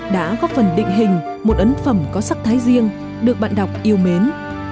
đã góp phần định hình một ấn phẩm có sắc thái riêng được bạn đọc yêu mến